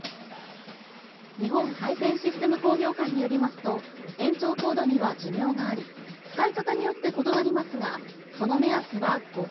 日本配線システム工業会によりますと、延長コードには寿命があり、使い方によって異なりますが、その目安は５年。